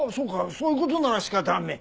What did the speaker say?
そういう事なら仕方あんめえ。